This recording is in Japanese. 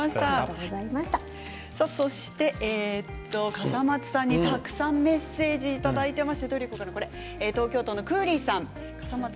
笠松さんに、たくさんメッセージいただいています。